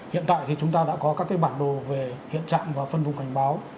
hiện tại thì chúng ta đã có các bản đồ về hiện trạng và phân vùng cảnh báo